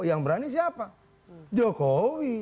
yang berani siapa jokowi